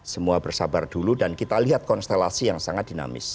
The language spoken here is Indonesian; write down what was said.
semua bersabar dulu dan kita lihat konstelasi yang sangat dinamis